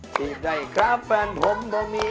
จีบได้ครับแฟนผมได้มี